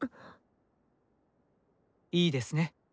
いいですね？